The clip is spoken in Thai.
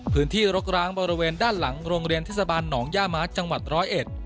รกร้างบริเวณด้านหลังโรงเรียนเทศบาลหนองย่าม้าจังหวัดร้อยเอ็ด